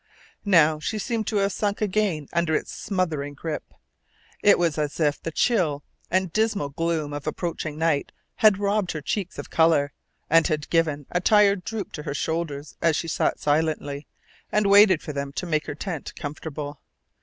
Now she seemed to have sunk again under its smothering grip. It was as if the chill and dismal gloom of approaching night had robbed her cheeks of colour, and had given a tired droop to her shoulders as she sat silently, and waited for them to make her tent comfortable.